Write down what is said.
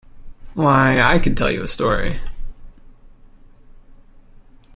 Why, I could tell you a story.